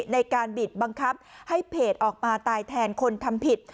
ในการบิดบังคับให้เพจออกมาตายแทนคนทำผิด